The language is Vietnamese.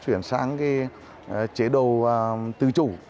chuyển sang cái chế độ tự chủ